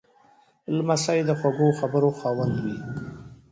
لمسی د خوږو خبرو خاوند وي.